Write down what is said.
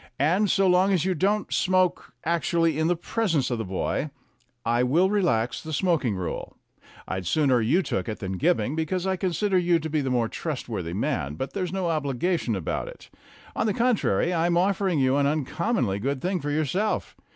And, so long as you don't smoke actually in the presence of the boy, I will relax the smoking rule. I'd sooner you took it than Gibbing, because I consider you to be the more trustworthy man, but there's no obligation about it. On the contrary, I am offering you an uncommonly good thing for yourself.